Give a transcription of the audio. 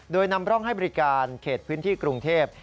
โดยนำร่องให้บริการเขตพื้นที่กรุงเทพ